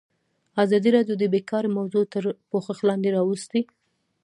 ازادي راډیو د بیکاري موضوع تر پوښښ لاندې راوستې.